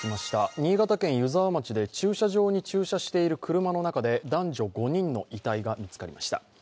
新潟県湯沢町で駐車場に駐車している車の中で男女５人の遺体が見つかりました。